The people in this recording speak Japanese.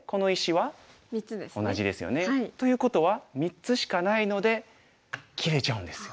同じですよね。ということは３つしかないので切れちゃうんですよ。